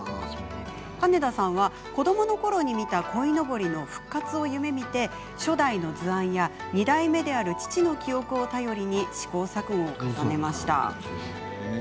金田さんは子どものころに見た鯉のぼりの復活を夢みて初代の図案や２代目である父の記憶を頼りに試行錯誤を重ねました。